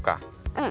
うん。